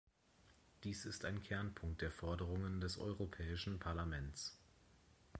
Dies ist ein Kernpunkt der Forderungen des Europäischen Parlaments.